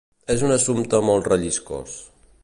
És un assumpte molt relliscós.